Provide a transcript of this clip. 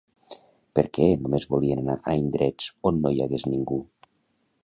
Per què només volien anar a indrets on no hi hagués ningú?